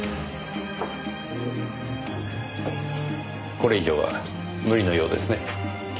これ以上は無理のようですね。